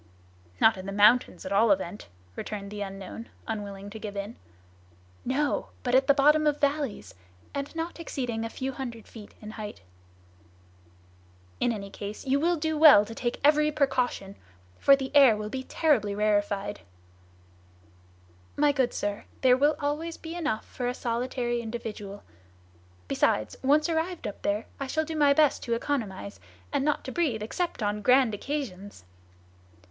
"Not in the mountains, at all events," returned the unknown, unwilling to give in. "No! but at the bottom of the valleys, and not exceeding a few hundred feet in height." "In any case you will do well to take every precaution, for the air will be terribly rarified." "My good sir, there will always be enough for a solitary individual; besides, once arrived up there, I shall do my best to economize, and not to breathe except on grand occasions!"